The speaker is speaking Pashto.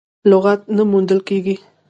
لغت نه موندل کېږي.